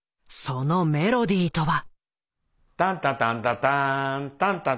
そのメロディーとは。